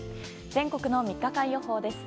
全国の３日間予報です。